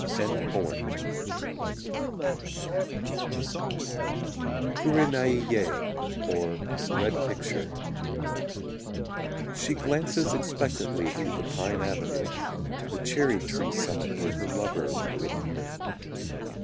Kurenai ye or "Red Picture" She glances expectantly Through the pine avenue, To the cherry tree summit Where her lover will appear.